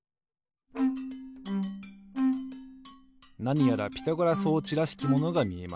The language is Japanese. なにやらピタゴラ装置らしきものがみえます。